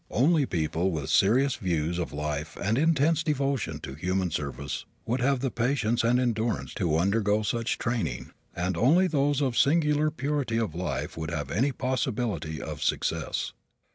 Only people with serious views of life and intense devotion to human service would have the patience and endurance to undergo such training and only those of singular purity of life would have any possibility of success.